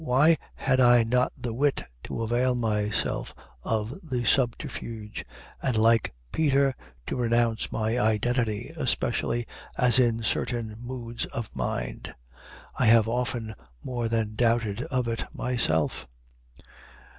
Why had I not the wit to avail myself of the subterfuge, and, like Peter, to renounce my identity, especially, as in certain moods of mind, I have often more than doubted of it myself?